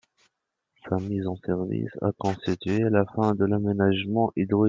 Sa mise en service a constitué la fin de l'aménagement hydro-électrique de l'Ain.